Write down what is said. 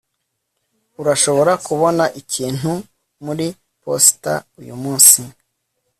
urashobora kubona ikintu muri posita uyumunsi